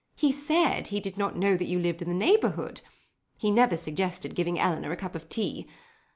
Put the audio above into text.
He said he did not know that you lived in the neighbourhood (?). He never suggested giving Eleanor a cup of tea.